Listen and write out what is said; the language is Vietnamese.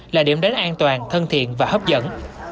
là điểm đến an toàn thân thiện và hấp dẫn